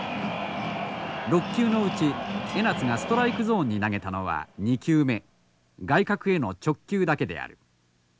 ６球のうち江夏がストライクゾーンに投げたのは２球目外角への直球だけである。